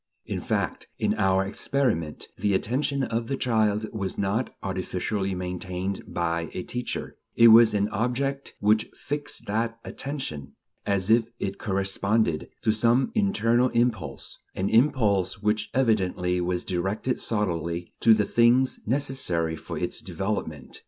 In fact, in our experiment the attention of the little child was not artificially maintained by a teacher; it was an object which fixed that attention, as if it corresponded to some internal impulse; an impulse which evidently was directed solely to the things "necessary" for its development.